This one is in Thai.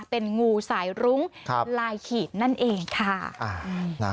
เป็นงูสายรุ้งลายขีดนั่นเองค่ะ